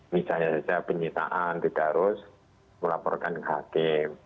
misalnya saja penyitaan tidak harus melaporkan ke hakim